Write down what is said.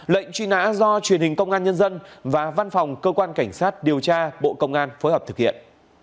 lệnh truy nã do truyền hình công an nhân dân và văn phòng cơ quan cảnh sát điều tra bộ công an phối hợp thực hiện